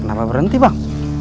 kenapa berhenti bang